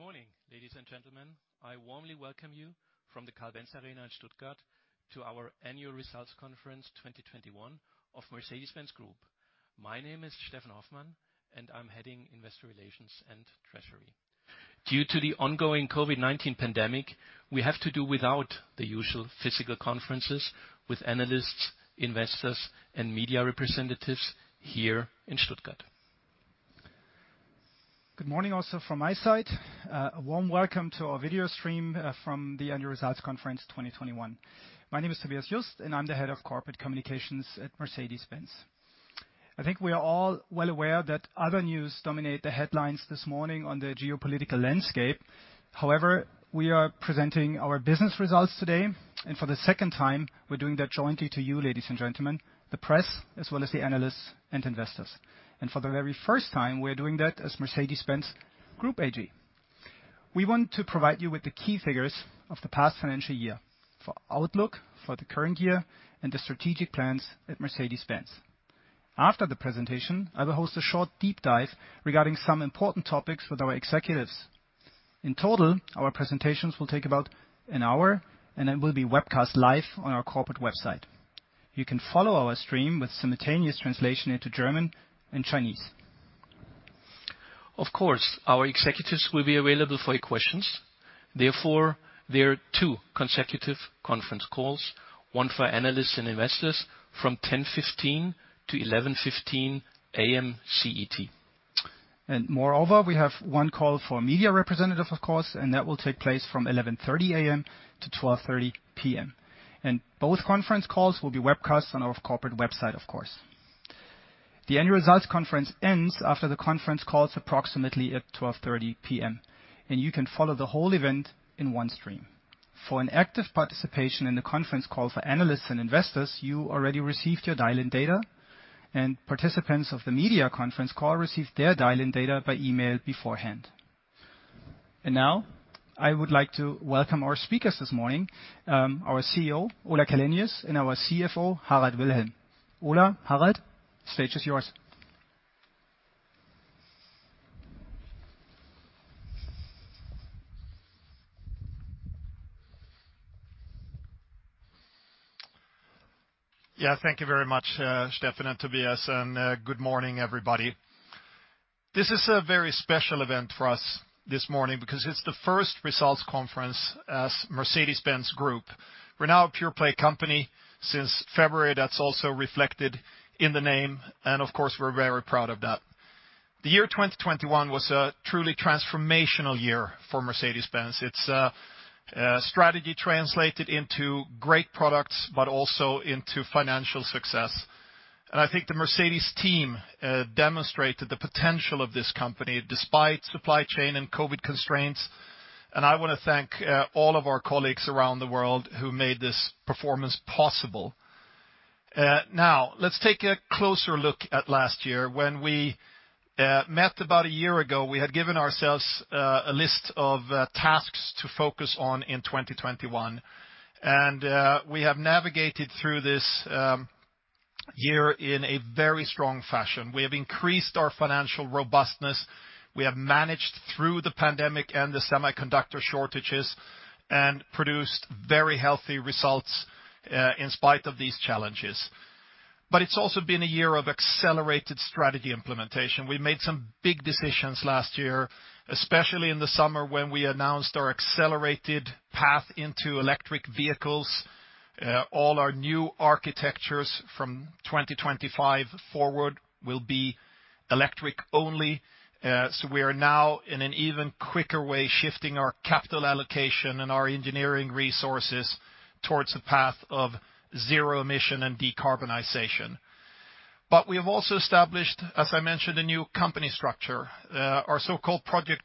Good morning, ladies and gentlemen. I warmly welcome you from the Carl Benz Arena in Stuttgart to our Annual Results Conference 2021 of Mercedes-Benz Group. My name is Steffen Hoffmann, and I'm heading Investor Relations and Treasury. Due to the ongoing COVID-19 pandemic, we have to do without the usual physical conferences with analysts, investors, and media representatives here in Stuttgart. Good morning also from my side. A warm welcome to our video stream from the annual results conference 2021. My name is Tobias Just, and I'm the Head of Corporate Communications at Mercedes-Benz. I think we are all well aware that other news dominate the headlines this morning on the geopolitical landscape. However, we are presenting our business results today, and for the second time, we're doing that jointly to you, ladies and gentlemen, the press, as well as the analysts and investors. For the very first time, we are doing that as Mercedes-Benz Group AG. We want to provide you with the key figures of the past financial year for outlook, for the current year, and the strategic plans at Mercedes-Benz. After the presentation, I will host a short deep dive regarding some important topics with our executives. In total, our presentations will take about an hour, and it will be webcast live on our corporate website. You can follow our stream with simultaneous translation into German and Chinese. Of course, our executives will be available for your questions. Therefore, there are two consecutive conference calls, one for analysts and investors from 10:15 to 11:15 A.M. CET. Moreover, we have one call for media representative, of course, and that will take place from 11:30 A.M. to 12:30 P.M. Both conference calls will be webcast on our corporate website, of course. The annual results conference ends after the conference calls approximately at 12:30 P.M. You can follow the whole event in one stream. For an active participation in the conference call for analysts and investors, you already received your dial-in data, and participants of the media conference call received their dial-in data by email beforehand. Now, I would like to welcome our speakers this morning, our CEO, Ola Källenius, and our CFO, Harald Wilhelm. Ola, Harald, stage is yours. Yeah, thank you very much, Steffen and Tobias, and good morning, everybody. This is a very special event for us this morning because it's the first results conference as Mercedes-Benz Group. We're now a pure-play company. Since February, that's also reflected in the name, and of course, we're very proud of that. The year 2021 was a truly transformational year for Mercedes-Benz. Its strategy translated into great products but also into financial success. I think the Mercedes team demonstrated the potential of this company despite supply chain and COVID constraints, and I wanna thank all of our colleagues around the world who made this performance possible. Now, let's take a closer look at last year. When we met about a year ago, we had given ourselves a list of tasks to focus on in 2021. We have navigated through this year in a very strong fashion. We have increased our financial robustness. We have managed through the pandemic and the semiconductor shortages and produced very healthy results in spite of these challenges. It's also been a year of accelerated strategy implementation. We made some big decisions last year, especially in the summer when we announced our accelerated path into electric vehicles. All our new architectures from 2025 forward will be electric only. We are now, in an even quicker way, shifting our capital allocation and our engineering resources towards the path of zero emission and decarbonization. We have also established, as I mentioned, a new company structure. Our so-called Project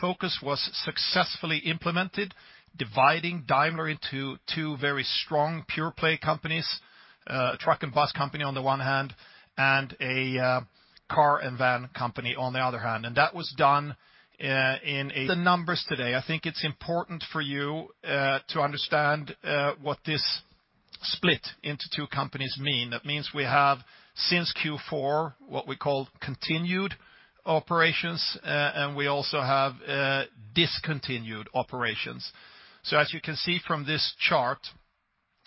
Focus was successfully implemented, dividing Daimler into two very strong pure-play companies. A truck and bus company on the one hand, and a car and van company on the other hand. That was done. The numbers today. I think it's important for you to understand what this split into two companies mean. That means we have, since Q4, what we call continued operations, and we also have discontinued operations. As you can see from this chart,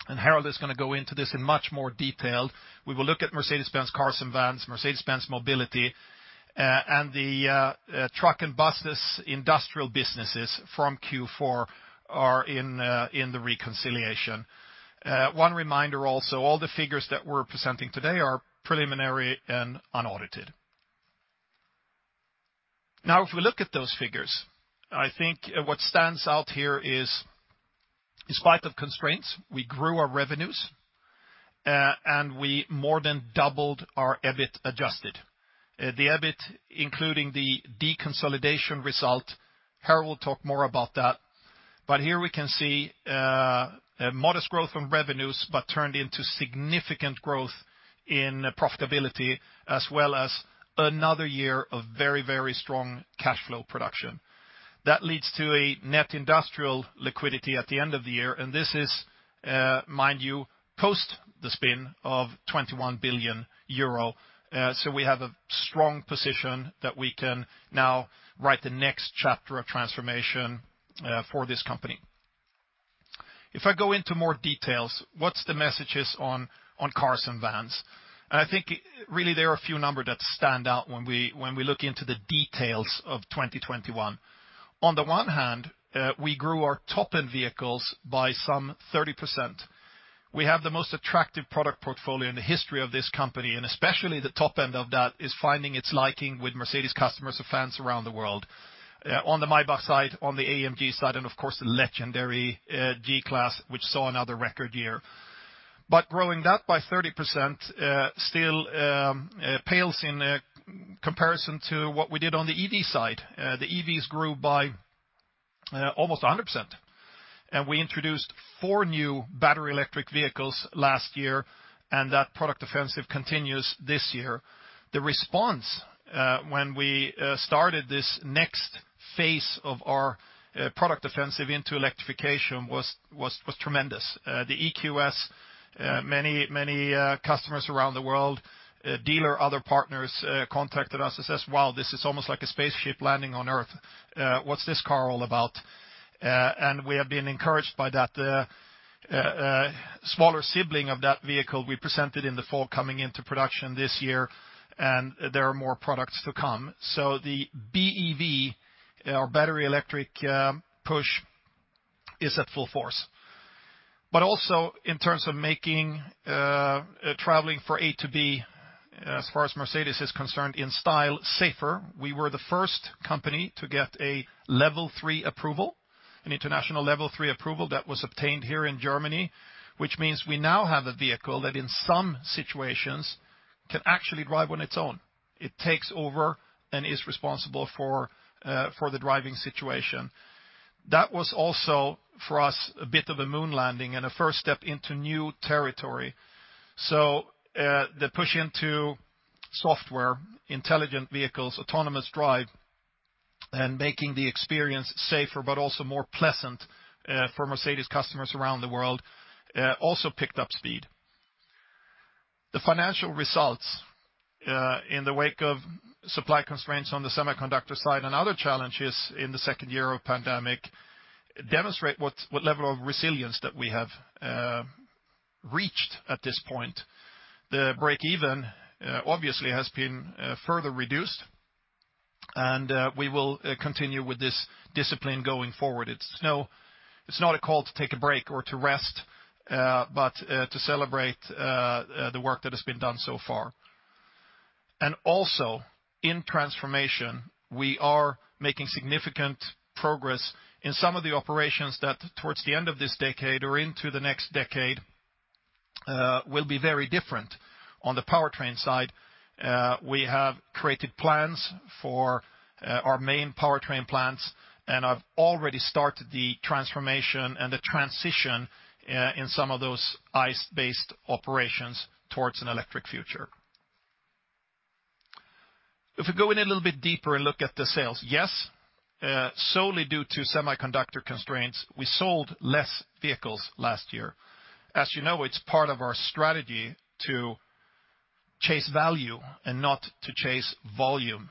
and Harald is gonna go into this in much more detail, we will look at Mercedes-Benz Cars and Vans, Mercedes-Benz Mobility, and the Trucks & Buses industrial businesses from Q4 are in the reconciliation. One reminder also, all the figures that we're presenting today are preliminary and unaudited. Now, if we look at those figures, I think what stands out here is, in spite of constraints, we grew our revenues, and we more than doubled our EBIT adjusted. The EBIT, including the deconsolidation result, Harald will talk more about that. But here we can see a modest growth in revenues but turned into significant growth in profitability as well as another year of very, very strong cash flow production. That leads to a net industrial liquidity at the end of the year, and this is, mind you, post the spin of 21 billion euro. So we have a strong position that we can now write the next chapter of transformation for this company. If I go into more details, what's the messages on cars and vans? I think really there are a few number that stand out when we look into the details of 2021. On the one hand, we grew our top-end vehicles by some 30%. We have the most attractive product portfolio in the history of this company, and especially the top end of that is finding its liking with Mercedes customers and fans around the world. On the Maybach side, on the AMG side, and of course, the legendary G-Class, which saw another record year. Growing that by 30% still pales in comparison to what we did on the EV side. The EVs grew by almost 100%. We introduced four new battery electric vehicles last year, and that product offensive continues this year. The response when we started this next phase of our product offensive into electrification was tremendous. The EQS, many customers around the world, dealer, other partners contacted us and says, "Wow, this is almost like a spaceship landing on Earth. What's this car all about?" We have been encouraged by that. A smaller sibling of that vehicle we presented in the fall coming into production this year, and there are more products to come. The BEV, or battery electric, push is at full force. Also in terms of making traveling from A to B, as far as Mercedes is concerned, in style, safer, we were the first company to get a Level three approval, an international Level three approval that was obtained here in Germany, which means we now have a vehicle that in some situations can actually drive on its own. It takes over and is responsible for the driving situation. That was also, for us, a bit of a moon landing and a first step into new territory. The push into software, intelligent vehicles, autonomous drive, and making the experience safer, but also more pleasant, for Mercedes customers around the world, also picked up speed. The financial results in the wake of supply constraints on the semiconductor side and other challenges in the second year of pandemic demonstrate what level of resilience that we have reached at this point. The break-even obviously has been further reduced, and we will continue with this discipline going forward. It's not a call to take a break or to rest, but to celebrate the work that has been done so far. Also in transformation, we are making significant progress in some of the operations that towards the end of this decade or into the next decade will be very different. On the powertrain side, we have created plans for our main powertrain plants, and I've already started the transformation and the transition in some of those ICE-based operations towards an electric future. If we go in a little bit deeper and look at the sales, yes, solely due to semiconductor constraints, we sold less vehicles last year. As you know, it's part of our strategy to chase value and not to chase volume.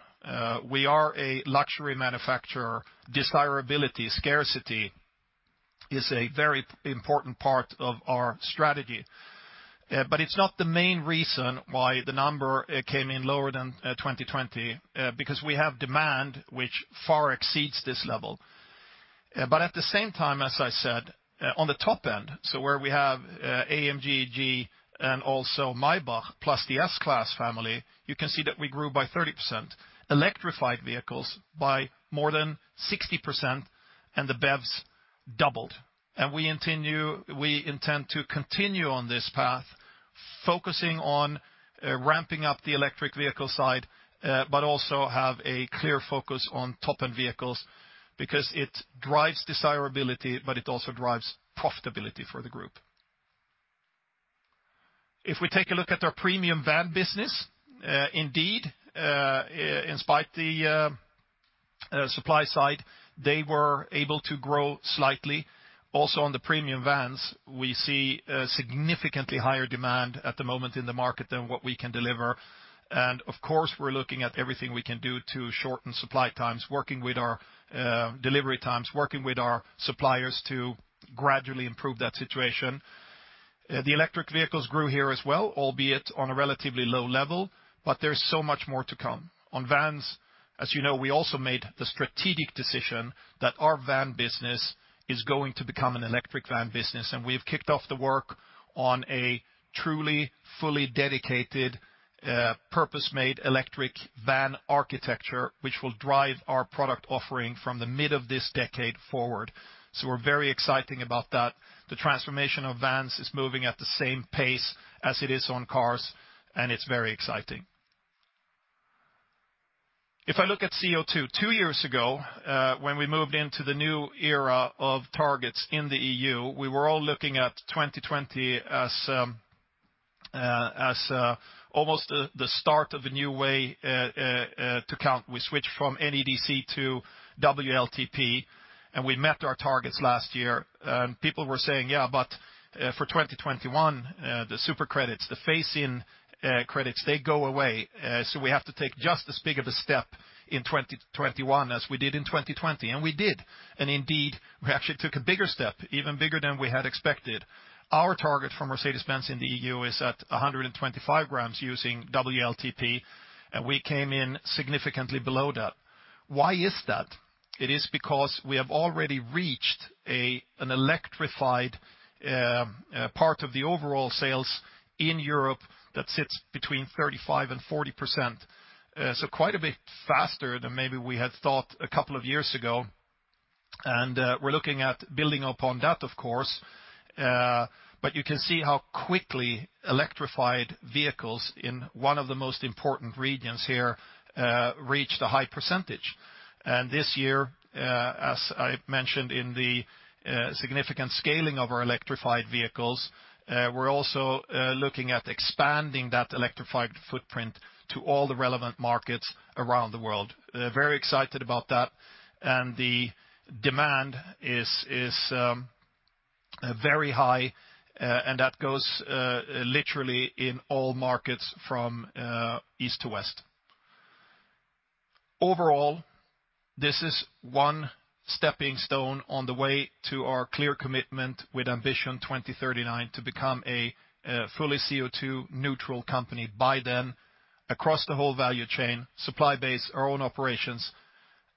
We are a luxury manufacturer. Desirability, scarcity is a very important part of our strategy. It's not the main reason why the number came in lower than 2020, because we have demand which far exceeds this level. At the same time, as I said, on the top end, so where we have, AMG, G, and also Maybach plus the S-Class family, you can see that we grew by 30%, electrified vehicles by more than 60%, and the BEVs doubled. We intend to continue on this path, focusing on, ramping up the electric vehicle side, but also have a clear focus on top-end vehicles because it drives desirability, but it also drives profitability for the group. If we take a look at our premium van business, indeed, in spite of the supply side, they were able to grow slightly. Also on the premium vans, we see a significantly higher demand at the moment in the market than what we can deliver. Of course, we're looking at everything we can do to shorten supply times, working with our delivery times, working with our suppliers to gradually improve that situation. The electric vehicles grew here as well, albeit on a relatively low level, but there's so much more to come. On vans, as you know, we also made the strategic decision that our van business is going to become an electric van business, and we've kicked off the work on a truly, fully dedicated purpose-made electric van architecture, which will drive our product offering from the mid of this decade forward. We're very exciting about that. The transformation of vans is moving at the same pace as it is on cars, and it's very exciting. If I look at CO2, two years ago, when we moved into the new era of targets in the EU, we were all looking at 2020 as almost the start of a new way to count. We switched from NEDC to WLTP, and we met our targets last year. People were saying, yeah, but for 2021, the super-credits, the phase-in credits, they go away. So we have to take just as big of a step in 2021 as we did in 2020. We did. Indeed, we actually took a bigger step, even bigger than we had expected. Our target for Mercedes-Benz in the E.U. is at 125 g using WLTP, and we came in significantly below that. Why is that? It is because we have already reached an electrified part of the overall sales in Europe that sits between 35%-40%. Quite a bit faster than maybe we had thought a couple of years ago, and we're looking at building upon that, of course. You can see how quickly electrified vehicles in one of the most important regions here reached a high percentage. This year, as I mentioned in the significant scaling of our electrified vehicles, we're also looking at expanding that electrified footprint to all the relevant markets around the world. Very excited about that, and the demand is very high, and that goes literally in all markets from east to west. Overall, this is one stepping stone on the way to our clear commitment with Ambition 2039 to become a fully CO2 neutral company by then across the whole value chain, supply base, our own operations,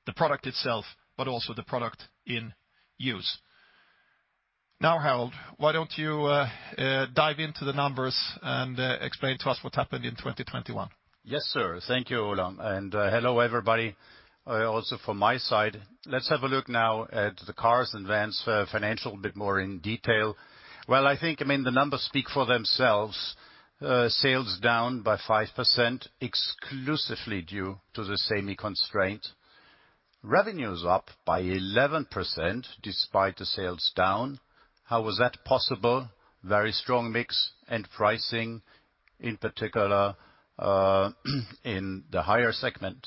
the product itself, but also the product in use. Now, Harald, why don't you dive into the numbers and explain to us what happened in 2021? Yes, sir. Thank you, Ola, and hello, everybody, also from my side. Let's have a look now at the cars and vans financial a bit more in detail. Well, I think, I mean, the numbers speak for themselves. Sales down by 5% exclusively due to the semi constraint. Revenue is up by 11% despite the sales down. How is that possible? Very strong mix and pricing, in particular, in the higher segment.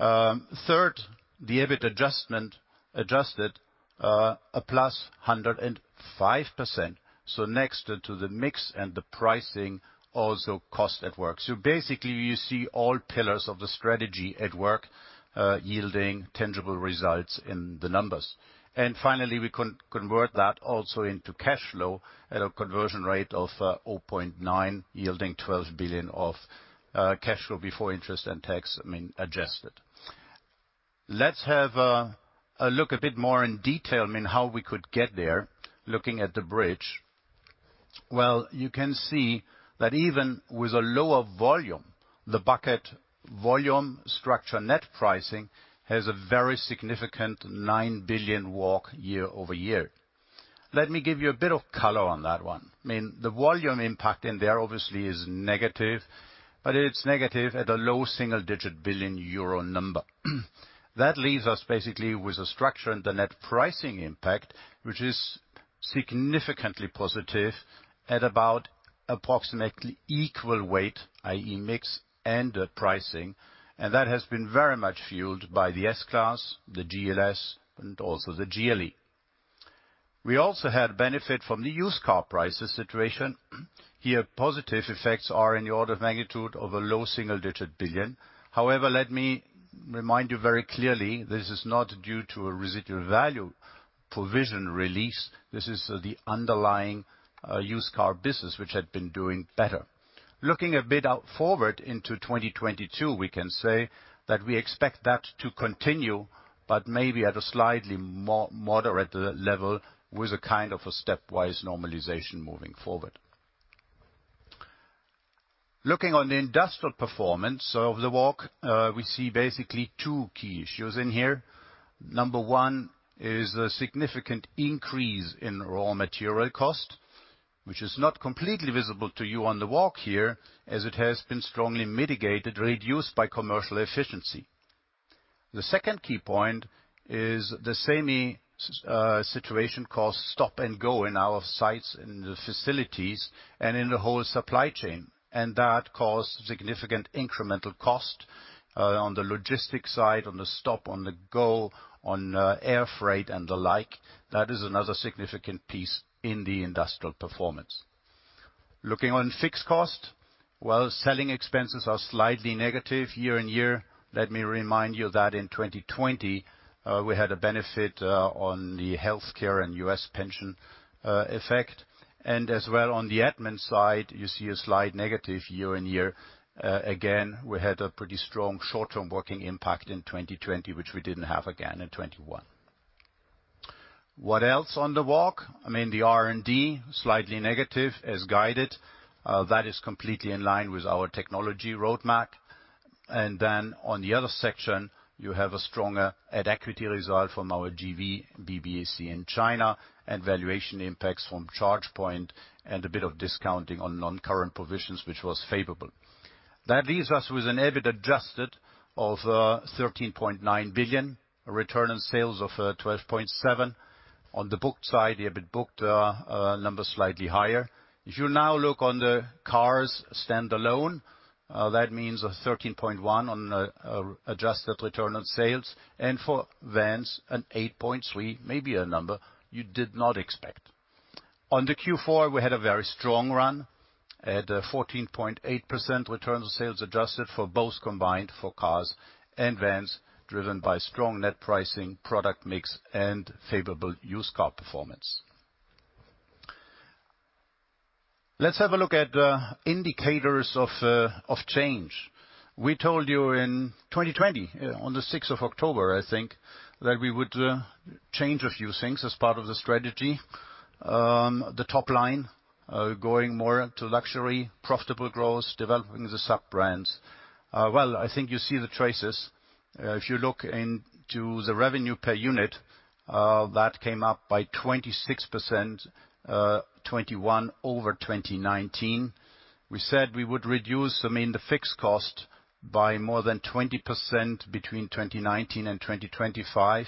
Third, the adjusted EBIT a plus 105%. Next to the mix and the pricing, also cost at work. Basically you see all pillars of the strategy at work, yielding tangible results in the numbers. Finally, we convert that also into cash flow at a conversion rate of 0.9, yielding 12 billion of cash flow before interest and tax, I mean, adjusted. Let's have a look a bit more in detail, I mean, how we could get there, looking at the bridge. Well, you can see that even with a lower volume, the bucket volume structure net pricing has a very significant 9 billion walk year-over-year. Let me give you a bit of color on that one. I mean, the volume impact in there obviously is negative, but it's negative at a low single-digit billion euro number. That leaves us basically with a structure and the net pricing impact, which is significantly positive at about approximately equal weight, i.e. mix and pricing. That has been very much fueled by the S-Class, the GLS, and also the GLE. We also had benefit from the used car prices situation. Here, positive effects are in the order of magnitude of a low single-digit billion euro. However, let me remind you very clearly, this is not due to a residual value provision release. This is the underlying used car business, which had been doing better. Looking a bit out forward into 2022, we can say that we expect that to continue, but maybe at a slightly moderate level with a kind of a stepwise normalization moving forward. Looking on the industrial performance of the walk, we see basically two key issues in here. Number one is a significant increase in raw material cost, which is not completely visible to you on the walk here, as it has been strongly mitigated, reduced by commercial efficiency. The second key point is the same situation caused stop and go in our sites in the facilities and in the whole supply chain. That caused significant incremental cost on the logistics side, on the stop, on the go, on air freight, and the like. That is another significant piece in the industrial performance. Looking on fixed cost, while selling expenses are slightly negative year-on-year, let me remind you that in 2020 we had a benefit on the healthcare and US pension effect. As well on the admin side, you see a slight negative year-on-year. Again, we had a pretty strong short-term working impact in 2020, which we didn't have again in 2021. What else on the walk? I mean, the R&D, slightly negative as guided. That is completely in line with our technology roadmap. On the other section, you have a stronger at-equity result from our JV, BBAC in China, and valuation impacts from ChargePoint, and a bit of discounting on non-current provisions, which was favorable. That leaves us with an EBIT adjusted of 13.9 billion. A return on sales of 12.7%. On the booked side, the EBIT booked numbers slightly higher. If you now look on the Cars standalone, that means a 13.1% on adjusted return on sales. For Vans, an 8.3%, may be a number you did not expect. In Q4, we had a very strong run at 14.8% return on sales, adjusted for both combined for Cars and Vans, driven by strong net pricing, product mix, and favorable used car performance. Let's have a look at indicators of change. We told you in 2020, on October 6th, I think, that we would change a few things as part of the strategy. The top line going more into luxury, profitable growth, developing the sub-brands. Well, I think you see the traces. If you look into the revenue per unit, that came up by 26%, 2021 over 2019. We said we would reduce, I mean, the fixed cost by more than 20% between 2019 and 2025.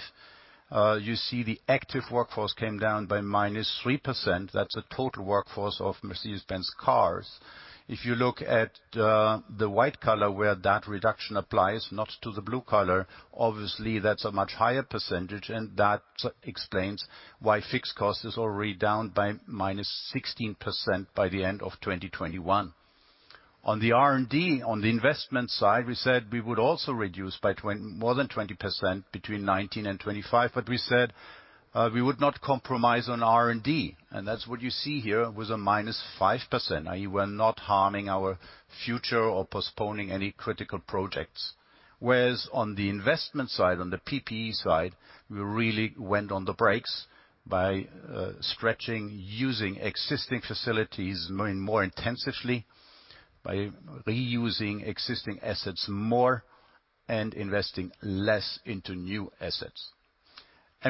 You see the active workforce came down by -3%. That's a total workforce of Mercedes-Benz Cars. If you look at the white collar where that reduction applies, not to the blue collar, obviously, that's a much higher percentage, and that explains why fixed cost is already down by -16% by the end of 2021. On the R&D, on the investment side, we said we would also reduce by more than 20% between 2019 and 2025, but we said we would not compromise on R&D, and that's what you see here with a -5%, i.e. we're not harming our future or postponing any critical projects. Whereas, on the investment side, on the PPE side, we really put on the brakes by stretching, using existing facilities more intensively, by reusing existing assets more and investing less into new assets.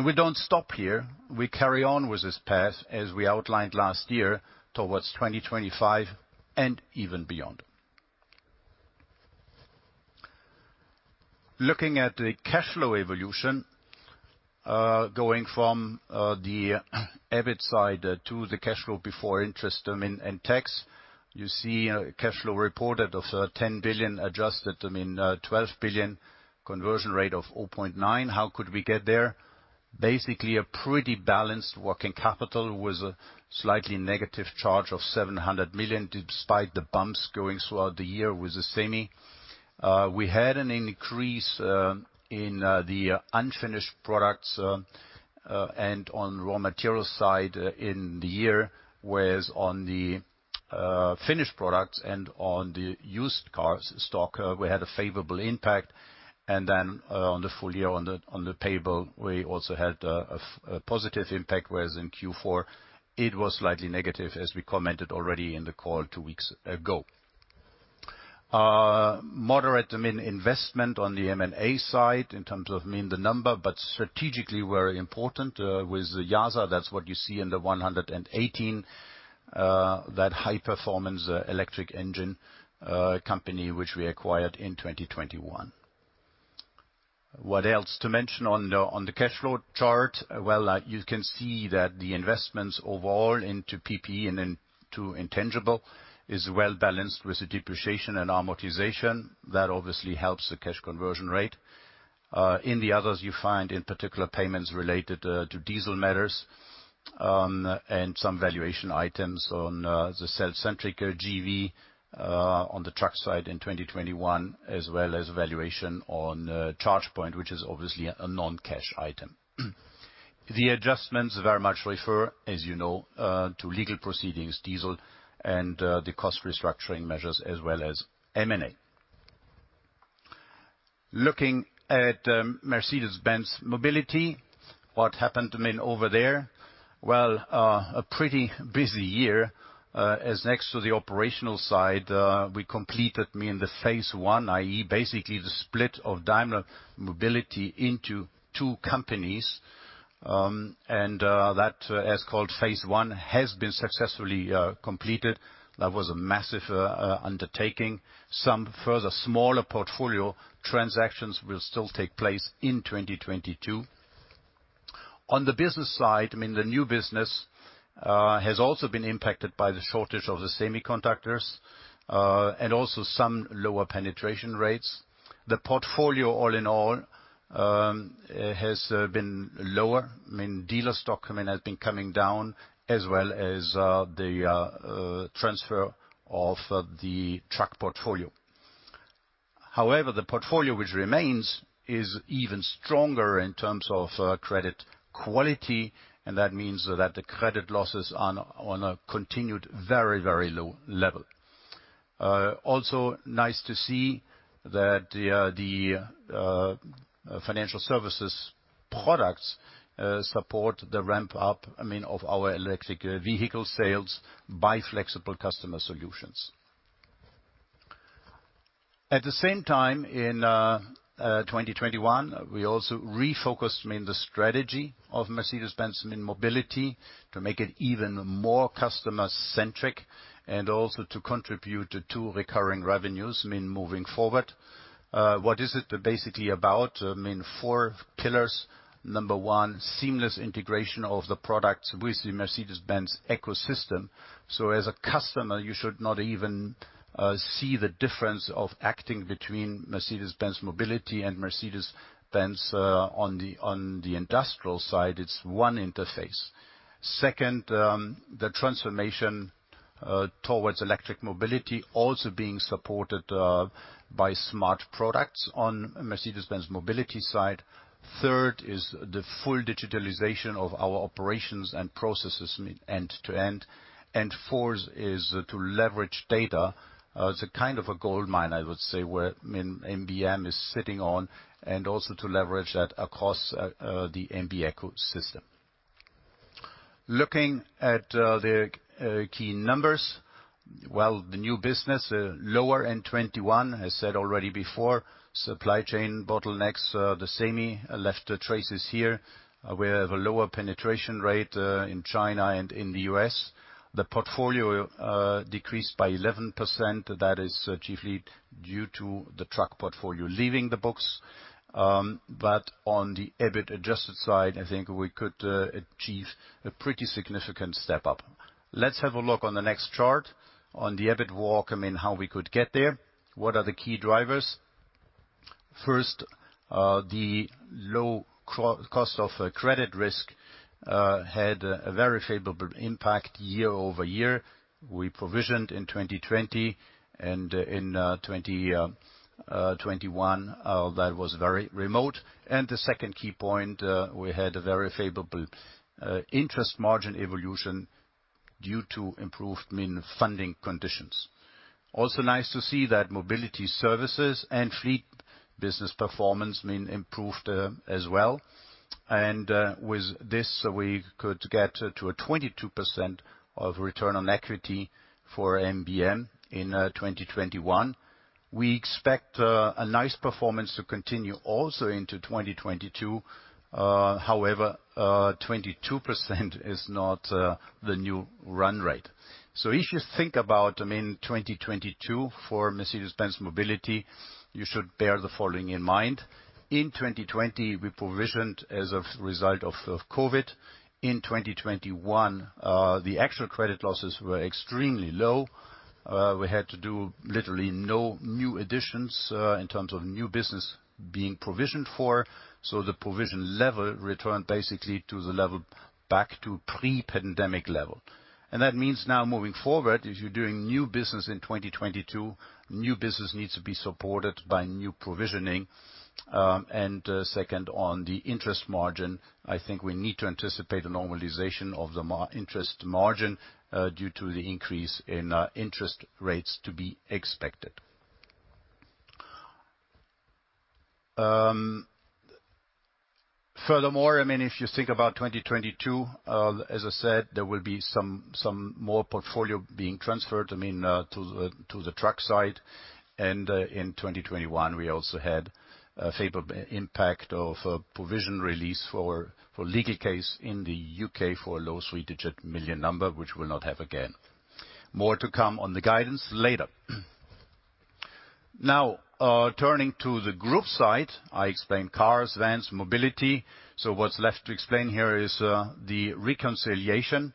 We don't stop here. We carry on with this path as we outlined last year towards 2025 and even beyond. Looking at the cash flow evolution, going from the EBIT side to the cash flow before interest, I mean, and tax. You see a cash flow reported of 10 billion, adjusted, I mean, twelve billion, conversion rate of 0.9. How could we get there? Basically a pretty balanced working capital with a slightly negative charge of 700 million, despite the bumps going throughout the year with the semi. We had an increase in the unfinished products and on raw material side in the year. Whereas on the finished products and on the used cars stock, we had a favorable impact. On the full year on the pay book, we also had a positive impact. Whereas in Q4, it was slightly negative, as we commented already in the call two weeks ago. Moderate, I mean, investment on the M&A side in terms of, I mean, the number, but strategically were important with YASA. That's what you see in the 118, that high-performance electric engine company which we acquired in 2021. What else to mention on the cash flow chart? Well, you can see that the investments overall into PPE and into intangible is well-balanced with the depreciation and amortization. That obviously helps the cash conversion rate. In the others, you find, in particular, payments related to diesel matters, and some valuation items on the Cellcentric JV on the truck side in 2021, as well as valuation on ChargePoint, which is obviously a non-cash item. The adjustments very much refer, as you know, to legal proceedings, diesel and the cost restructuring measures, as well as M&A. Looking at Mercedes-Benz Mobility, what happened, I mean, over there. Well, a pretty busy year, as next to the operational side, we completed, I mean, the phase one, i.e. basically the split of Daimler Mobility into two companies. That, as called phase one, has been successfully completed. That was a massive undertaking. Some further smaller portfolio transactions will still take place in 2022. On the business side, I mean, the new business has also been impacted by the shortage of the semiconductors and also some lower penetration rates. The portfolio all in all has been lower, I mean, dealer stock, I mean, has been coming down as well as the transfer of the truck portfolio. However, the portfolio which remains is even stronger in terms of credit quality, and that means that the credit losses are on a continued very, very low level. Also nice to see that the financial services products support the ramp up, I mean, of our electric vehicle sales by flexible customer solutions. At the same time, in 2021, we also refocused, I mean, the strategy of Mercedes-Benz Mobility to make it even more customer-centric and also to contribute to recurring revenues, I mean, moving forward. What is it basically about? I mean, four pillars. Number one, seamless integration of the products with the Mercedes-Benz ecosystem. So as a customer, you should not even see the difference of acting between Mercedes-Benz Mobility and Mercedes-Benz on the industrial side. It's one interface. Second, the transformation towards electric mobility also being supported by smart products on Mercedes-Benz Mobility side. Third is the full digitalization of our operations and processes end-to-end. Fourth is to leverage data. It's a kind of a goldmine, I would say, where MBM is sitting on, and also to leverage that across the MB ecosystem. Looking at the key numbers, while the new business lower in 2021, I said already before, supply chain bottlenecks, the same left traces here. We have a lower penetration rate in China and in the US The portfolio decreased by 11%. That is chiefly due to the truck portfolio leaving the books. But on the adjusted EBIT side, I think we could achieve a pretty significant step up. Let's have a look on the next chart on the adjusted EBIT walk and how we could get there. What are the key drivers? First, the low cost of credit risk had a very favorable impact year-over-year. We provisioned in 2020 and in 2021, that was very remote. The second key point we had a very favorable interest margin evolution due to improved funding conditions. Also nice to see that mobility services and fleet business performance improved as well. With this, we could get to a 22% return on equity for MBM in 2021. We expect a nice performance to continue also into 2022. However, 22% is not the new run rate. If you think about, I mean, 2022 for Mercedes-Benz Mobility, you should bear the following in mind. In 2020, we provisioned as a result of COVID. In 2021, the actual credit losses were extremely low. We had to do literally no new additions in terms of new business being provisioned for. The provision level returned basically to the level back to pre-pandemic level. That means now moving forward, if you're doing new business in 2022, new business needs to be supported by new provisioning. Second on the interest margin, I think we need to anticipate a normalization of the interest margin due to the increase in interest rates to be expected. Furthermore, I mean, if you think about 2022, as I said, there will be some more portfolio being transferred, I mean, to the truck side. In 2021, we also had a favorable impact of a provision release for legal case in the UK for a low three-digit million euro, which we'll not have again. More to come on the guidance later. Now, turning to the group side. I explained cars, vans, mobility. What's left to explain here is the reconciliation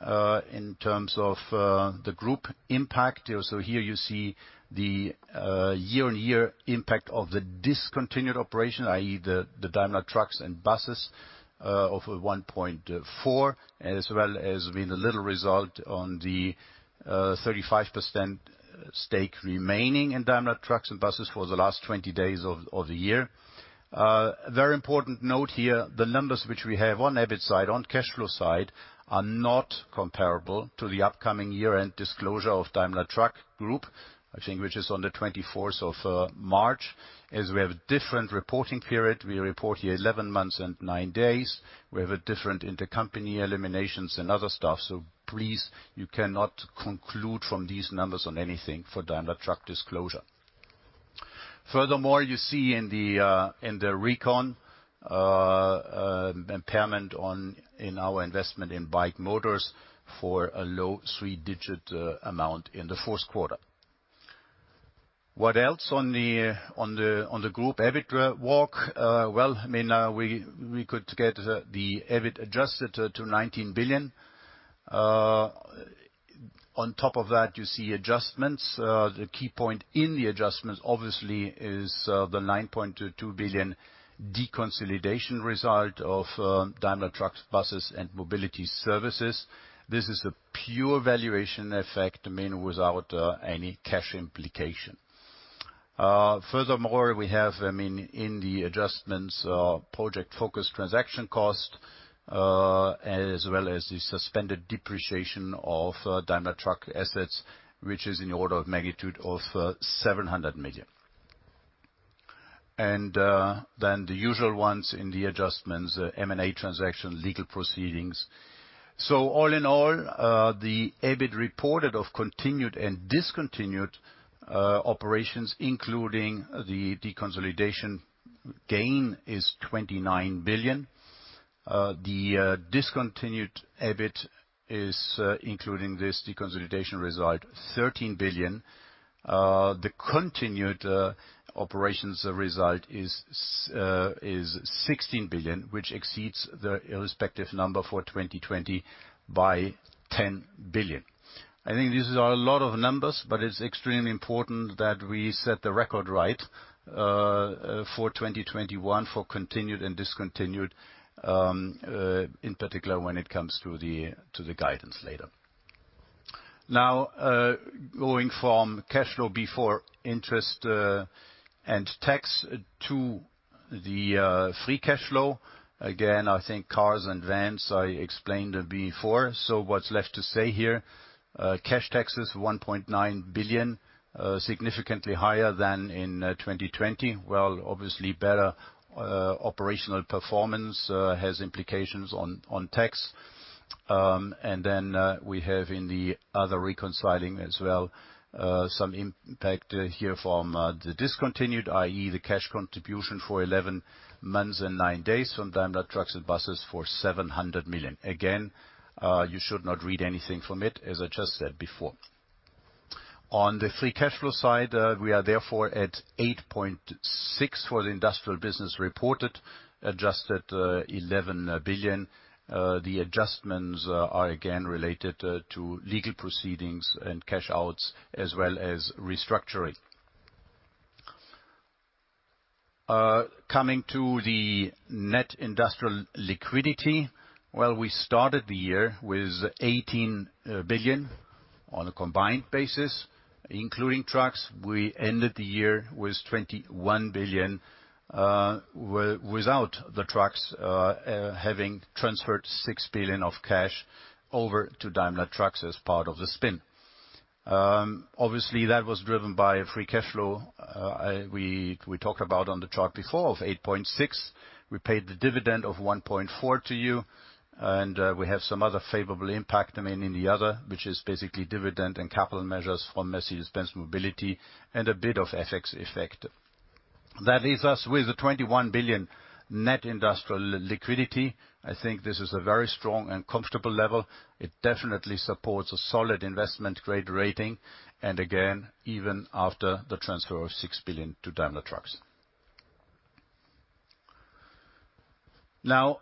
in terms of the group impact. Also, here you see the year-on-year impact of the discontinued operation, i.e. the Daimler Trucks & Buses, of 1.4, as well as with a little result on the 35% stake remaining in Daimler Trucks & Buses for the last 20 days of the year. Very important note here, the numbers which we have on EBIT side, on cash flow side, are not comparable to the upcoming year-end disclosure of Daimler Truck, I think which is on the 24th of March, as we have a different reporting period. We report here 11 months and 9 days. We have a different intercompany eliminations and other stuff. Please, you cannot conclude from these numbers on anything for Daimler Truck disclosure. Furthermore, you see in the recon impairment in our investment in BAIC Motor for a low three-digit euro amount in the fourth quarter. What else on the group EBIT walk? Well, I mean, we could get the EBIT adjusted to 19 billion. On top of that, you see adjustments. The key point in the adjustments obviously is the 9.2 billion deconsolidation result of Daimler Trucks & Buses and Mobility Services. This is a pure valuation effect, I mean, without any cash implication. Furthermore, we have, I mean, in the adjustments, Project Focus transaction cost, as well as the suspended depreciation of Daimler Truck assets, which is in the order of magnitude of 700 million. Then the usual ones in the adjustments, M&A transaction, legal proceedings. All in all, the EBIT reported of continued and discontinued operations, including the deconsolidation gain, is 29 billion. The discontinued EBIT is, including this deconsolidation result, 13 billion. The continued operations result is sixteen billion, which exceeds the respective number for 2020 by 10 billion. I think this is a lot of numbers, but it's extremely important that we set the record right for 2021 for continued and discontinued, in particular when it comes to the guidance later. Now, going from cash flow before interest and tax to the free cash flow. Again, I think cars and vans, I explained before, so what's left to say here? Cash taxes 1.9 billion, significantly higher than in 2020. Well, obviously better operational performance has implications on tax. And then, we have in the other reconciling as well, some impact here from the discontinued, i.e. the cash contribution for eleven months and nine days from Daimler Trucks & Buses for 700 million. Again, you should not read anything from it, as I just said before. On the free cash flow side, we are therefore at 8.6 billion for the industrial business reported, adjusted 11 billion. The adjustments are again related to legal proceedings and cash outs as well as restructuring. Coming to the net industrial liquidity. Well, we started the year with 18 billion on a combined basis, including trucks. We ended the year with 21 billion without the trucks, having transferred 6 billion of cash over to Daimler Truck as part of the spin. Obviously, that was driven by free cash flow we talked about on the chart before of 8.6 billion. We paid the dividend of 1.4 to you, and we have some other favorable impact, I mean, in the other, which is basically dividend and capital measures from Mercedes-Benz Mobility and a bit of FX effect. That leaves us with 21 billion Net Industrial Liquidity. I think this is a very strong and comfortable level. It definitely supports a solid investment-grade rating, and again, even after the transfer of 6 billion to Daimler Trucks. Now,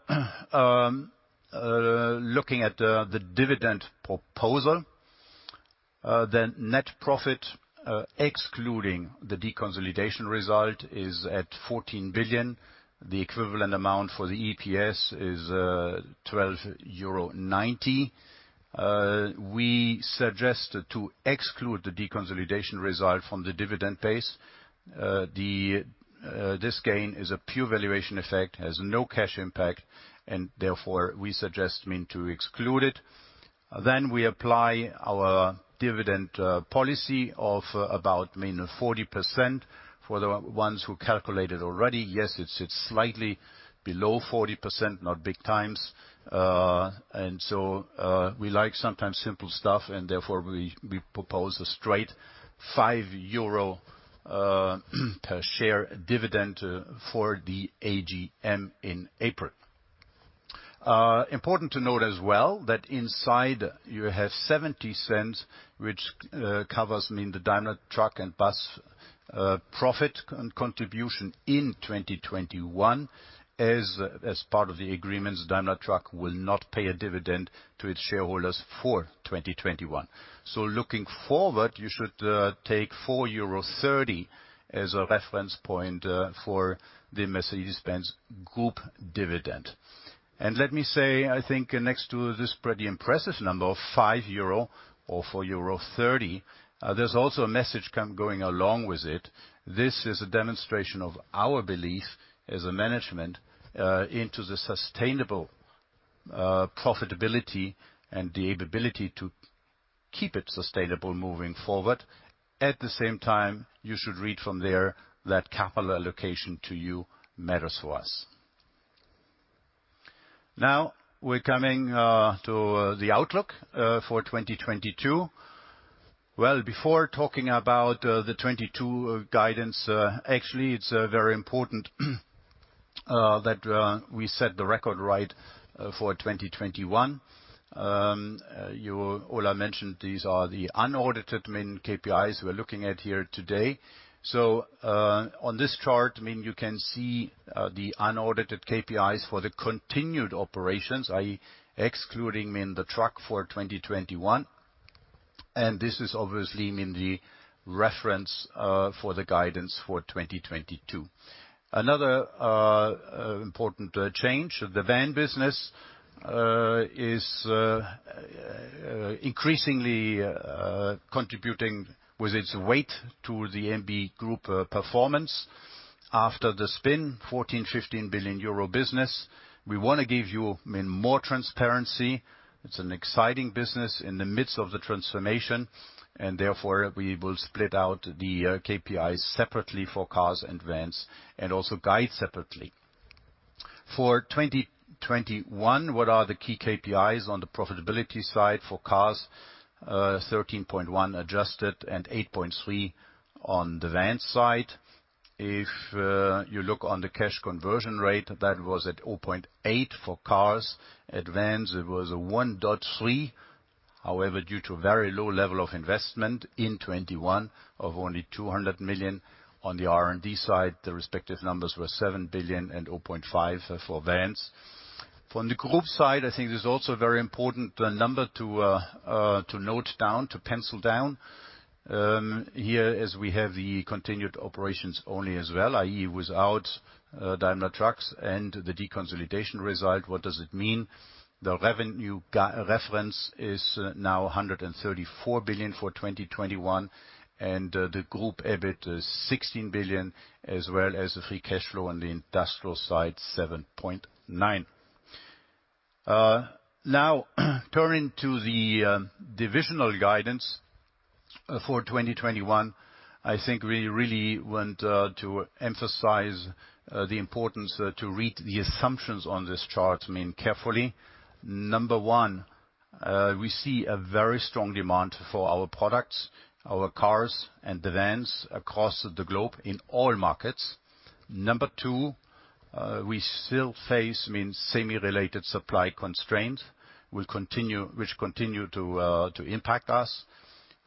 looking at the dividend proposal. The net profit, excluding the deconsolidation result, is at 14 billion. The equivalent amount for the EPS is 12.90 euro. We suggest to exclude the deconsolidation result from the dividend base. This gain is a pure valuation effect, has no cash impact, and therefore we suggest, I mean, to exclude it. We apply our dividend policy of about 40%. For the ones who calculate it already, yes, it's slightly below 40%, not big times. We like sometimes simple stuff, and therefore we propose a straight 5 euro per share dividend for the AGM in April. Important to note as well that inside you have 0.70, which covers, I mean, the Daimler Trucks & Buses profit contribution in 2021. As part of the agreements, Daimler Truck will not pay a dividend to its shareholders for 2021. Looking forward, you should take 4.30 euro as a reference point for the Mercedes-Benz Group dividend. Let me say, I think next to this pretty impressive number of 5 euro or 4.30 euro, there's also a message coming along with it. This is a demonstration of our belief as a management into the sustainable profitability and the ability to keep it sustainable moving forward. At the same time, you should read from there that capital allocation to you matters for us. Now we're coming to the outlook for 2022. Well, before talking about the 2022 guidance, actually it's very important that we set the record right for 2021. Ola mentioned these are the unaudited, I mean, KPIs we're looking at here today. So, on this chart, I mean, you can see the unaudited KPIs for the continued operations, i.e. Excluding, I mean, the truck for 2021, and this is obviously, I mean, the reference for the guidance for 2022. Another important change, the van business is increasingly contributing with its weight to the MB Group performance. After the spin, 14-15 billion euro business. We wanna give you, I mean, more transparency. It's an exciting business in the midst of the transformation, and therefore, we will split out the KPIs separately for cars and vans and also guide separately. For 2021, what are the key KPIs on the profitability side for cars, 13.1% adjusted and 8.3% on the van side. If you look on the cash conversion rate, that was at 0.8 for cars. At vans it was 1.3. However, due to very low level of investment in 2021 of only 200 million on the R&D side. The respective numbers were 7 billion and 0.5 billion for vans. From the group side, I think there's also very important number to note down, to pencil down. Here as we have the continued operations only as well, i.e. without Daimler Trucks and the deconsolidation result. What does it mean? The revenue reference is now 134 billion for 2021, and the group EBIT is 16 billion, as well as the free cash flow on the industrial side, 7.9 billion. Now, turning to the divisional guidance for 2021, I think we really want to emphasize the importance to read the assumptions on this chart, I mean, carefully. Number one, we see a very strong demand for our products, our cars and the vans across the globe in all markets. Number two, we still face, I mean, semi-related supply constraints, which continue to impact us.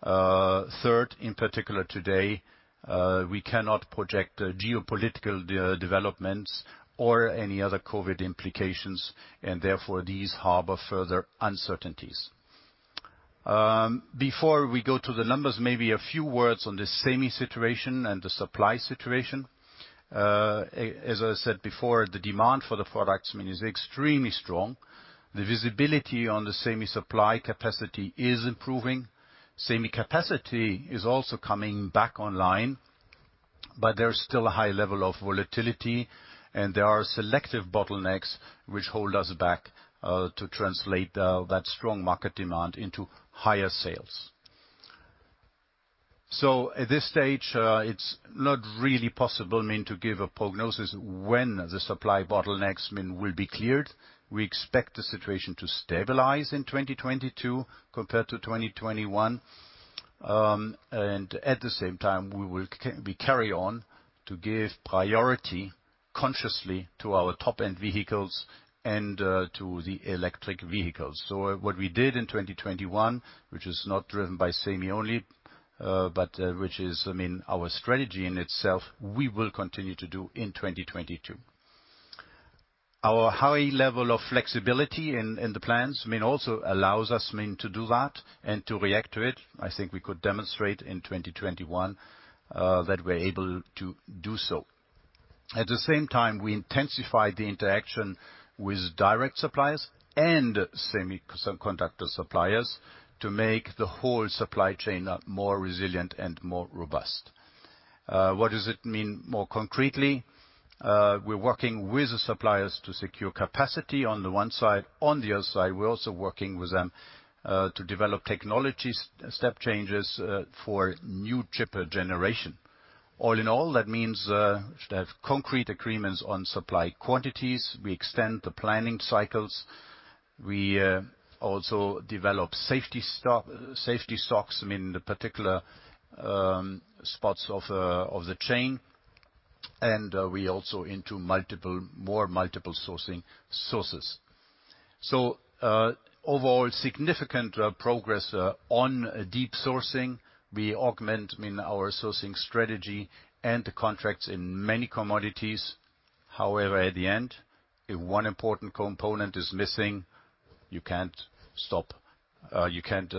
Third, in particular today, we cannot project geopolitical developments or any other COVID implications, and therefore, these harbor further uncertainties. Before we go to the numbers, maybe a few words on the same situation and the supply situation. As I said before, the demand for the products, I mean, is extremely strong. The visibility on the semi-supply capacity is improving. Semi-capacity is also coming back online, but there's still a high level of volatility, and there are selective bottlenecks which hold us back to translate that strong market demand into higher sales. At this stage, it's not really possible, I mean, to give a prognosis when the supply bottlenecks, I mean, will be cleared. We expect the situation to stabilize in 2022 compared to 2021. At the same time, we carry on to give priority consciously to our top-end vehicles and to the electric vehicles. What we did in 2021, which is not driven by semi only, but which is, I mean, our strategy in itself, we will continue to do in 2022. Our high level of flexibility in the plans, I mean, also allows us, I mean, to do that and to react to it. I think we could demonstrate in 2021 that we're able to do so. At the same time, we intensify the interaction with direct suppliers and semiconductor suppliers to make the whole supply chain more resilient and more robust. What does it mean more concretely? We're working with the suppliers to secure capacity on the one side. On the other side, we're also working with them to develop technologies, step changes, for new chip generation. All in all, that means we should have concrete agreements on supply quantities. We extend the planning cycles. We also develop safety stocks, I mean, in the particular spots of the chain. We also go into multiple sourcing sources. Overall significant progress on deep sourcing. We augment, I mean, our sourcing strategy and the contracts in many commodities. However, at the end, if one important component is missing, you can't stop, you can't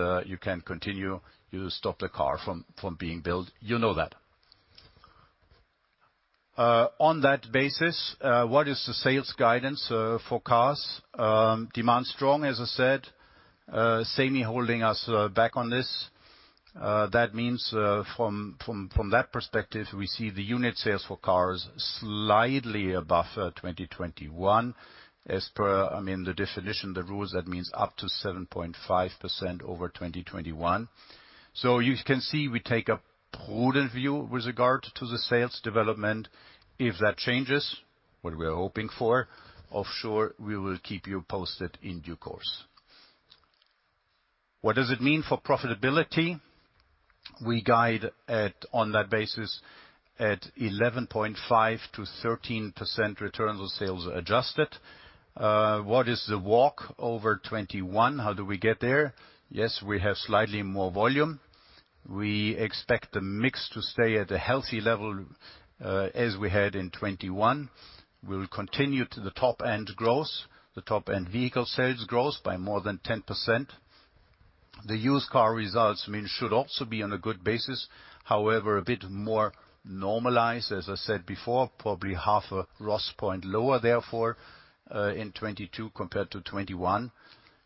continue. You stop the car from being built. You know that. On that basis, what is the sales guidance for cars? Demand strong, as I said. Semicon holding us back on this. That means, from that perspective, we see the unit sales for cars slightly above 2021. As per, I mean, the definition, the rules, that means up to 7.5% over 2021. So you can see we take a prudent view with regard to the sales development. If that changes, what we are hoping for, of course, we will keep you posted in due course. What does it mean for profitability? We guide, on that basis, at 11.5%-13% return on sales adjusted. What is the walk over 2021? How do we get there? Yes, we have slightly more volume. We expect the mix to stay at a healthy level, as we had in 2021. We'll continue to the top-end growth, the top-end vehicle sales growth by more than 10%. The used car results, I mean, should also be on a good basis, however, a bit more normalized, as I said before, probably half a ROS point lower, therefore, in 2022 compared to 2021.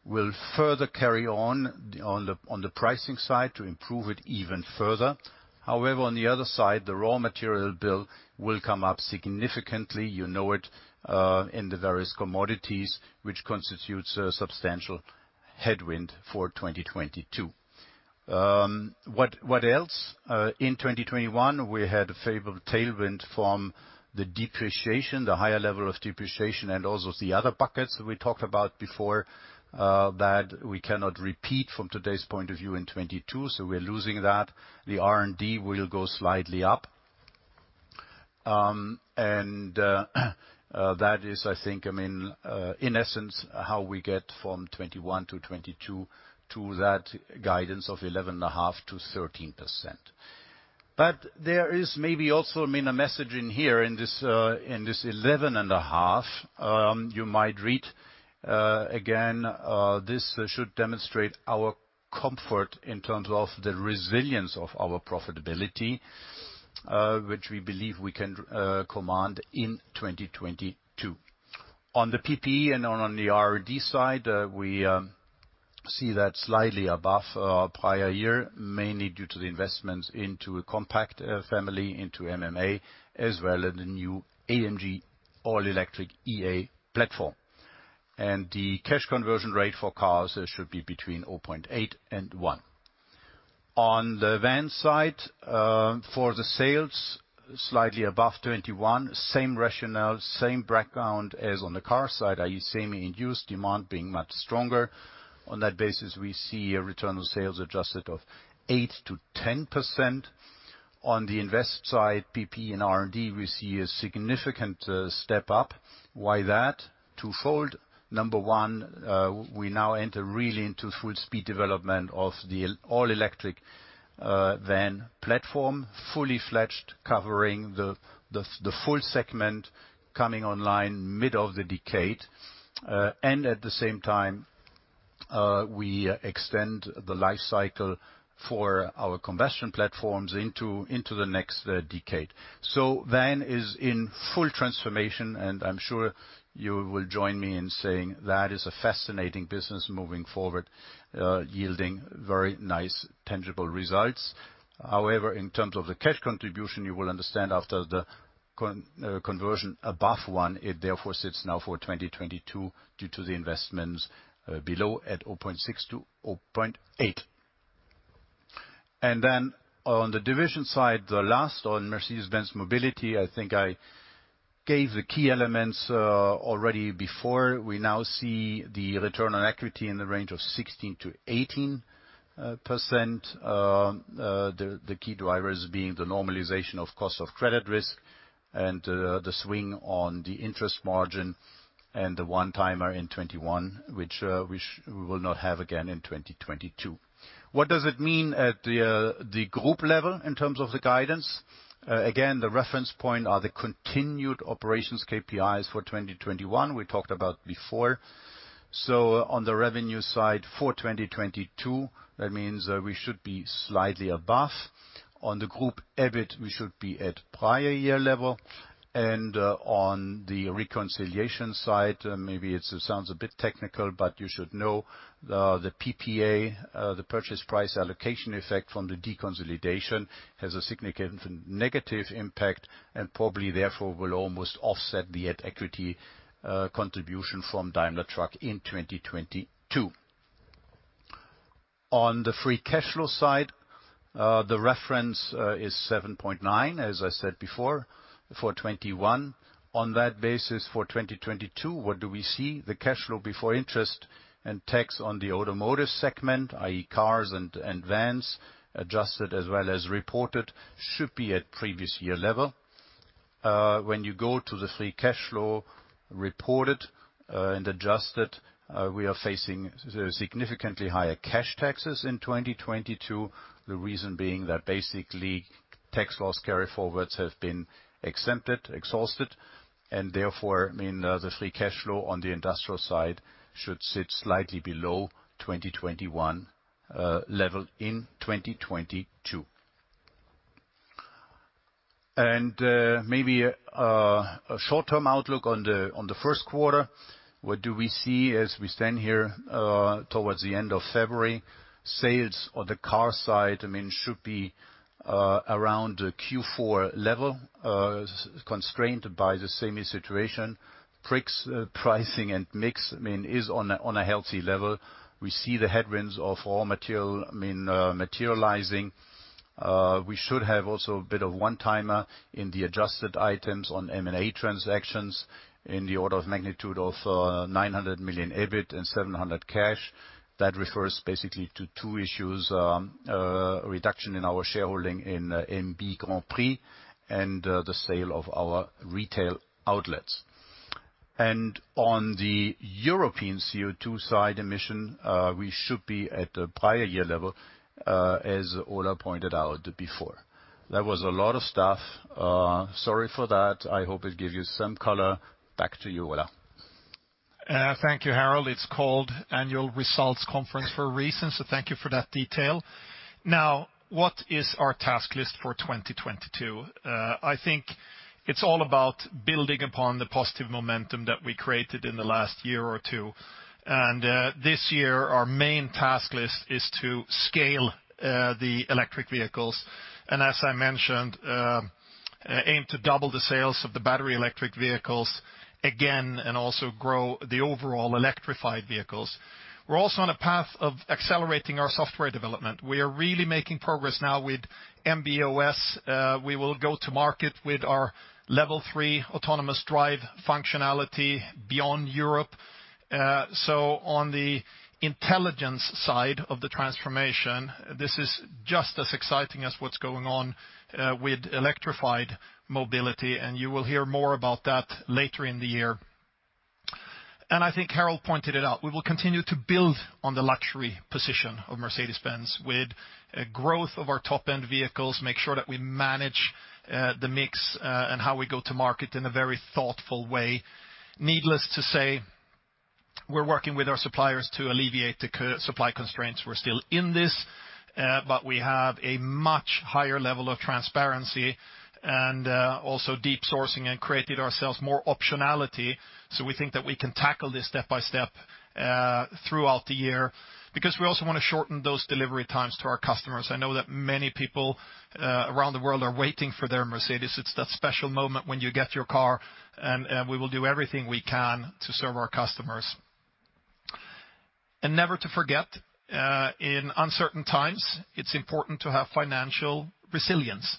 We'll further carry on the pricing side to improve it even further. However, on the other side, the raw material bill will come up significantly. You know it, in the various commodities which constitutes a substantial headwind for 2022. What else? In 2021, we had a favorable tailwind from the depreciation, the higher level of depreciation, and also the other buckets we talked about before, that we cannot repeat from today's point of view in 2022, so we're losing that. The R&D will go slightly up. That is, I think, I mean, in essence, how we get from 2021 to 2022 to that guidance of 11.5%-13%. But there is maybe also, I mean, a message in here in this 11.5%, you might read, again, this should demonstrate our comfort in terms of the resilience of our profitability, which we believe we can command in 2022. On the PPE and on the R&D side, we see that slightly above our prior year, mainly due to the investments into a compact family, into MMA, as well as the new AMG all-electric EA platform. The cash conversion rate for cars should be between 0.8 and 1. On the van side for the sales, slightly above 21, same rationale, same background as on the car side, i.e., same induced demand being much stronger. On that basis, we see a return on sales adjusted of 8%-10%. On the invest side, PPE and R&D, we see a significant step up. Why that? Twofold. Number one, we now enter really into full speed development of the all-electric van platform, fully fledged, covering the full segment coming online mid of the decade. At the same time, we extend the life cycle for our combustion platforms into the next decade. Vans is in full transformation, and I'm sure you will join me in saying that is a fascinating business moving forward, yielding very nice tangible results. However, in terms of the cash contribution, you will understand after the con-conversion above one, it therefore sits now for 2022 due to the investments below at 0.6-0.8. On the division side, the last on Mercedes-Benz Mobility, I think I gave the key elements already before. We now see the return on equity in the range of 16%-18%. The key drivers being the normalization of cost of credit risk and the swing on the interest margin and the one-timer in 2021, which we will not have again in 2022. What does it mean at the group level in terms of the guidance? Again, the reference point are the continued operations KPIs for 2021 we talked about before. On the revenue side for 2022, that means we should be slightly above. On the group EBIT, we should be at prior year level. On the reconciliation side, maybe it sounds a bit technical, but you should know the PPA, the purchase price allocation effect from the deconsolidation has a significant negative impact and probably therefore will almost offset the at equity contribution from Daimler Truck in 2022. On the free cash flow side, the reference is 7.9, as I said before, for 2021. On that basis for 2022, what do we see? The cash flow before interest and tax on the automotive segment, i.e., cars and vans, adjusted as well as reported, should be at previous year level. When you go to the free cash flow reported and adjusted, we are facing the significantly higher cash taxes in 2022, the reason being that basically tax loss carry forwards have been exhausted, and therefore, I mean, the free cash flow on the industrial side should sit slightly below 2021 level in 2022. Maybe a short-term outlook on the first quarter. What do we see as we stand here towards the end of February? Sales on the car side, I mean, should be around the Q4 level, constrained by the same situation. Pricing and mix, I mean, is on a healthy level. We see the headwinds of raw material, I mean, materializing. We should have also a bit of one-timer in the adjusted items on M&A transactions in the order of magnitude of 900 million EBIT and 700 cash. That refers basically to two issues, reduction in our shareholding in Mercedes-Benz Grand Prix and the sale of our retail outlets. On the European CO2 side emission, we should be at the prior year level, as Ola pointed out before. That was a lot of stuff. Sorry for that. I hope it gives you some color. Back to you, Ola. Thank you, Harald. It's called Annual Results Conference for a reason, so thank you for that detail. Now, what is our task list for 2022? I think it's all about building upon the positive momentum that we created in the last year or two. This year, our main task list is to scale the electric vehicles. As I mentioned, aim to double the sales of the battery electric vehicles again and also grow the overall electrified vehicles. We're also on a path of accelerating our software development. We are really making progress now with MB.OS. We will go to market with our Level three autonomous drive functionality beyond Europe. On the intelligence side of the transformation, this is just as exciting as what's going on with electrified mobility, and you will hear more about that later in the year. I think Harald pointed it out, we will continue to build on the luxury position of Mercedes-Benz with a growth of our top-end vehicles, make sure that we manage the mix and how we go to market in a very thoughtful way. Needless to say, we're working with our suppliers to alleviate the supply constraints. We're still in this, but we have a much higher level of transparency and also deep sourcing and created ourselves more optionality. We think that we can tackle this step-by-step throughout the year because we also wanna shorten those delivery times to our customers. I know that many people around the world are waiting for their Mercedes. It's that special moment when you get your car, and we will do everything we can to serve our customers. Never to forget, in uncertain times, it's important to have financial resilience.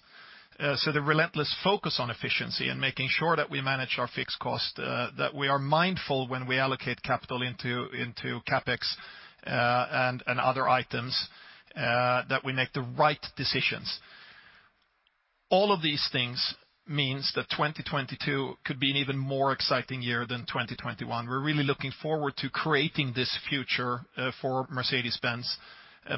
So the relentless focus on efficiency and making sure that we manage our fixed cost, that we are mindful when we allocate capital into CapEx, and other items, that we make the right decisions. All of these things means that 2022 could be an even more exciting year than 2021. We're really looking forward to creating this future for Mercedes-Benz.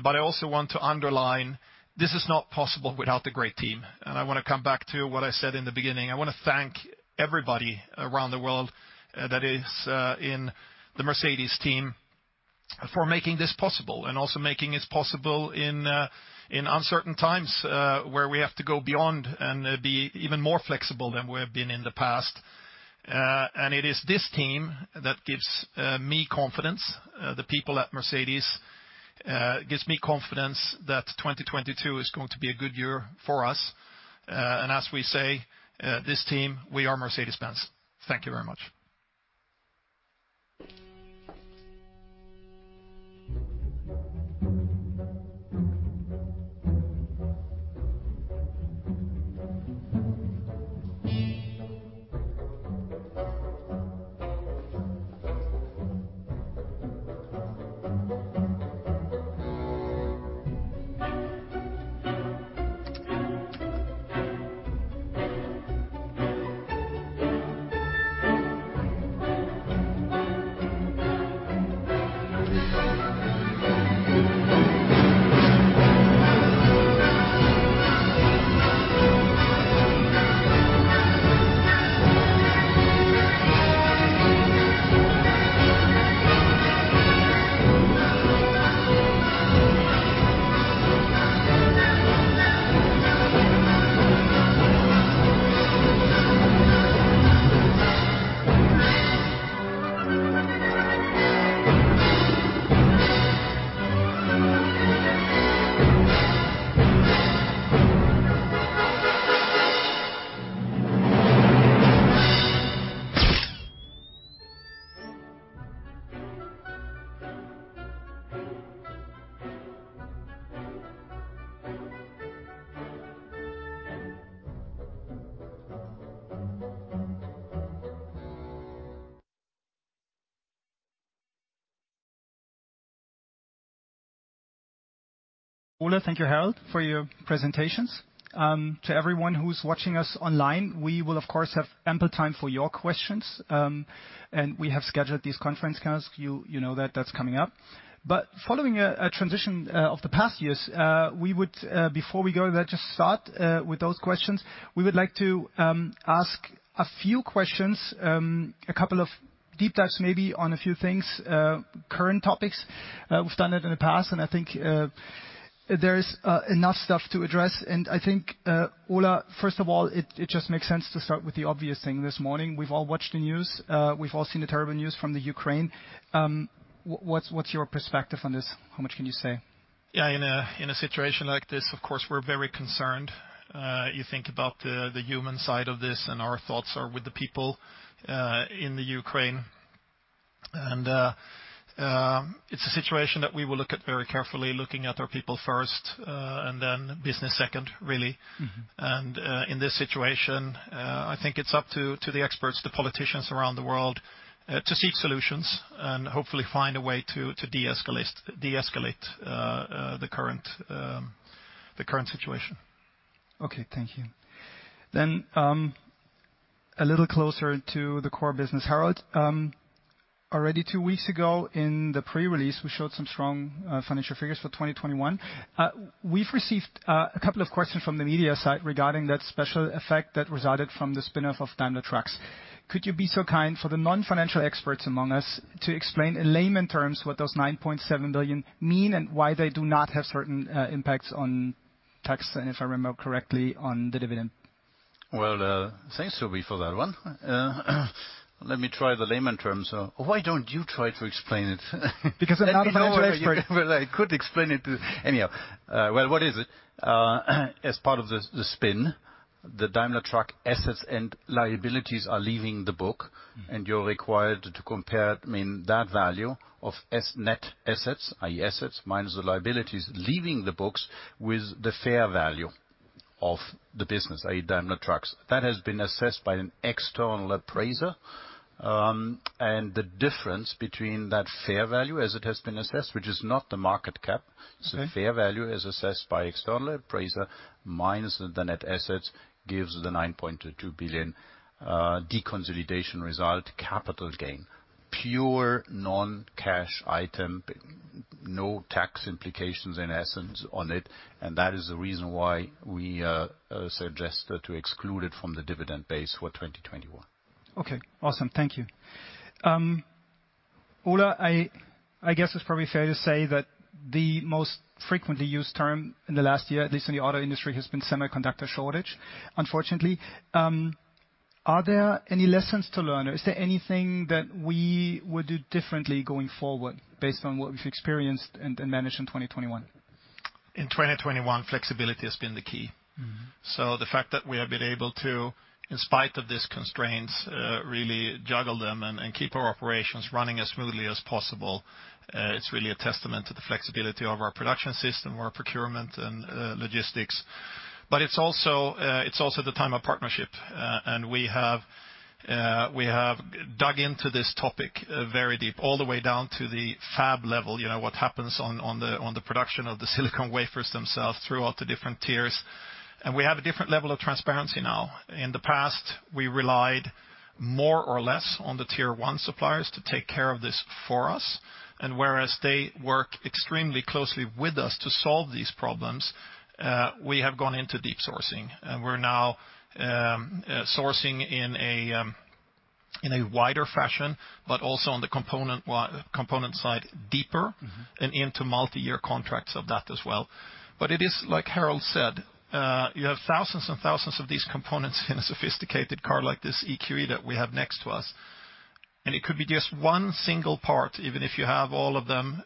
But I also want to underline, this is not possible without the great team. I wanna come back to what I said in the beginning. I wanna thank everybody around the world, that is, in the Mercedes team for making this possible and also making this possible in uncertain times, where we have to go beyond and be even more flexible than we have been in the past. It is this team that gives me confidence, the people at Mercedes, gives me confidence that 2022 is going to be a good year for us. As we say, this team, we are Mercedes-Benz. Thank you very much. Thank you, Ola. Thank you, Harald, for your presentations. To everyone who's watching us online, we will of course have ample time for your questions. We have scheduled these conference calls. You know that that's coming up. Following a transition of the past years, we would, before we go there, just start with those questions. We would like to ask a few questions, a couple of deep dives maybe on a few things, current topics. We've done it in the past, and I think there is enough stuff to address. I think, Ola, first of all, it just makes sense to start with the obvious thing this morning. We've all watched the news. We've all seen the terrible news from the Ukraine. What's your perspective on this? How much can you say? Yeah, in a situation like this, of course, we're very concerned. You think about the human side of this, and our thoughts are with the people in the Ukraine. It's a situation that we will look at very carefully, looking at our people first, and then business second, really. In this situation, I think it's up to the experts, the politicians around the world, to seek solutions and hopefully find a way to de-escalate the current situation. Okay, thank you. A little closer to the core business. Harald, already two weeks ago in the pre-release, we showed some strong financial figures for 2021. We've received a couple of questions from the media side regarding that special effect that resulted from the spin-off of Daimler Truck. Could you be so kind for the non-financial experts among us to explain in layman's terms what those 9.7 billion mean, and why they do not have certain impacts on tax, and if I remember correctly, on the dividend? Well, thanks, Tobias, for that one. Let me try the layman terms. Why don't you try to explain it? Because I'm not a financial expert. Anyhow, well, what is it? As part of the spin, the Daimler Truck assets and liabilities are leaving the books, and you're required to compare it, I mean, that value of net assets, i.e., assets minus the liabilities leaving the books with the fair value of the business, i.e., Daimler Truck. That has been assessed by an external appraiser, and the difference between that fair value as it has been assessed, which is not the market cap. Fair value as assessed by external appraiser minus the net assets gives the 9.2 billion deconsolidation result capital gain. Pure non-cash item, no tax implications in essence on it, and that is the reason why we suggested to exclude it from the dividend base for 2021. Okay, awesome. Thank you. Ola, I guess it's probably fair to say that the most frequently used term in the last year, at least in the auto industry, has been semiconductor shortage, unfortunately. Are there any lessons to learn, or is there anything that we would do differently going forward based on what we've experienced and managed in 2021? In 2021, flexibility has been the key. The fact that we have been able to, in spite of these constraints, really juggle them and keep our operations running as smoothly as possible, it's really a testament to the flexibility of our production system, our procurement and logistics. It's also the time of partnership. We have dug into this topic very deep, all the way down to the fab level, you know, what happens on the production of the silicon wafers themselves throughout the different tiers. We have a different level of transparency now. In the past, we relied more or less on the tier one suppliers to take care of this for us. Whereas they work extremely closely with us to solve these problems, we have gone into deep sourcing, and we're now sourcing in a wider fashion, but also on the component side deeper. Into multiyear contracts of that as well. It is, like Harald said, you have thousands and thousands of these components in a sophisticated car like this EQE that we have next to us, and it could be just one single part, even if you have all of them,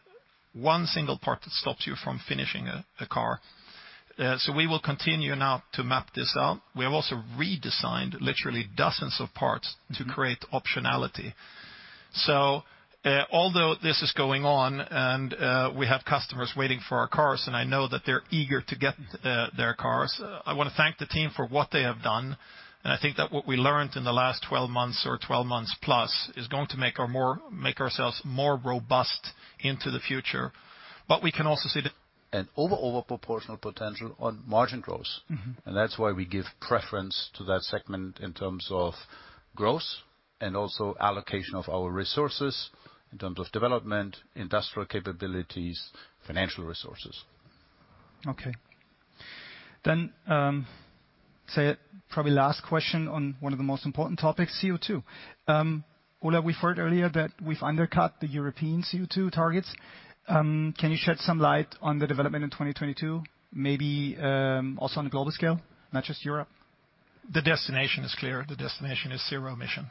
one single part that stops you from finishing a car. We will continue now to map this out. We have also redesigned literally dozens of parts to create optionality. Although this is going on and we have customers waiting for our cars, and I know that they're eager to get their cars, I wanna thank the team for what they have done. I think that what we learned in the last 12 months or 12 months plus is going to make ourselves more robust into the future. We can also see the An overproportional potential on margin growth. That's why we give preference to that segment in terms of growth and also allocation of our resources in terms of development, industrial capabilities, financial resources. Probably last question on one of the most important topics, CO2. Ola, we've heard earlier that we've undercut the European CO2 targets. Can you shed some light on the development in 2022, maybe also on a global scale, not just Europe? The destination is clear. The destination is zero emission.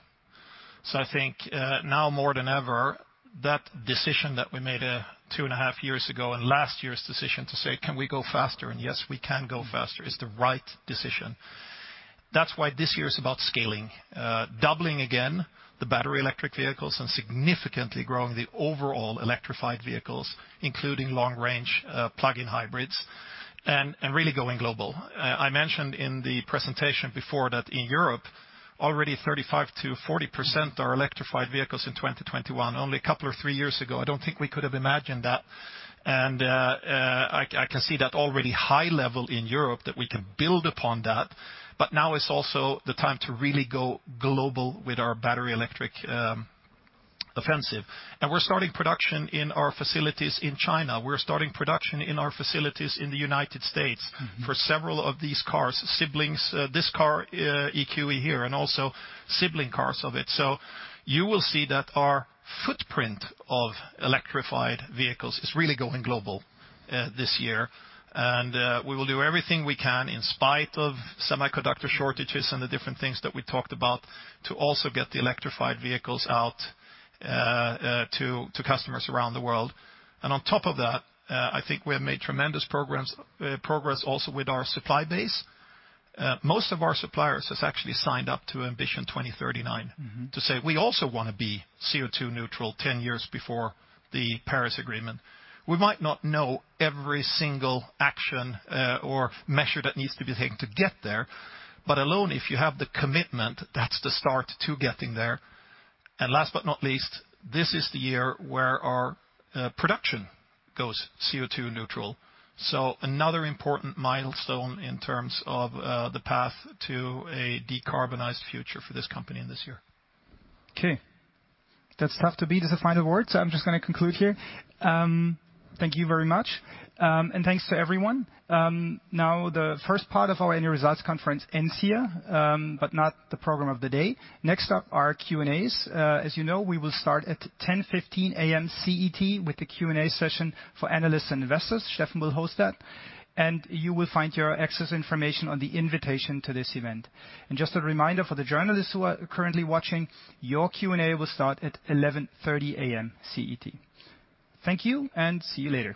I think, now more than ever, that decision that we made, two and a half years ago and last year's decision to say, "Can we go faster?" Yes, we can go faster, is the right decision. That's why this year is about scaling, doubling again the battery electric vehicles and significantly growing the overall electrified vehicles, including long range, plug-in hybrids, and really going global. I mentioned in the presentation before that in Europe, already 35%-40% are electrified vehicles in 2021. Only a couple or three years ago, I don't think we could have imagined that. I can see that already high level in Europe that we can build upon that. Now is also the time to really go global with our battery electric offensive. We're starting production in our facilities in China. We're starting production in our facilities in the United States. For several of these cars, siblings, this car, EQE here, and also sibling cars of it. You will see that our footprint of electrified vehicles is really going global, this year. We will do everything we can in spite of semiconductor shortages and the different things that we talked about to also get the electrified vehicles out, to customers around the world. On top of that, I think we have made tremendous progress also with our supply base. Most of our suppliers has actually signed up to Ambition 2039. To say, "We also wanna be CO2 neutral ten years before the Paris Agreement." We might not know every single action, or measure that needs to be taken to get there, but alone, if you have the commitment, that's the start to getting there. Last but not least, this is the year where our production goes CO2 neutral. Another important milestone in terms of the path to a decarbonized future for this company and this year. Okay. That's tough to beat as a final word, so I'm just gonna conclude here. Thank you very much. Thanks to everyone. Now the first part of our annual results conference ends here, but not the program of the day. Next up are Q&As. As you know, we will start at 10:15 A.M. CET with the Q&A session for analysts and investors. Steffen will host that, and you will find your access information on the invitation to this event. Just a reminder for the journalists who are currently watching, your Q&A will start at 11:30 A.M. CET. Thank you, and see you later.